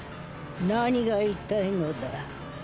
何が言いたいのだ？